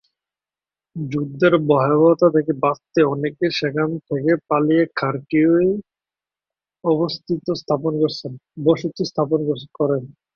যুদ্ধের ভয়াবহতা থেকে বাঁচতে অনেকে সেখান থেকে পালিয়ে খারকিউ-এ বসতি স্থাপন করেন।